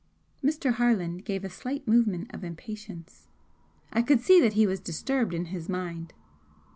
Mr. Harland gave a slight movement of impatience. I could see that he was disturbed in his mind.